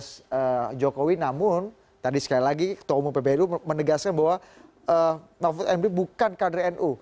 jadi ini juga menjadi cawapres jokowi namun tadi sekali lagi ketua umum pbnu menegaskan bahwa mahfud md bukan kader nu